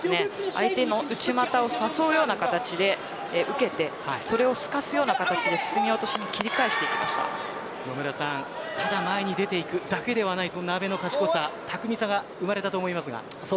相手の内股を誘うような形で受けてそれを透かすような形で前にただ出ていくだけではない阿部の賢さ、巧みさが出たと思います。